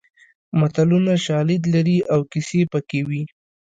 متلونه شالید لري او کیسه پکې وي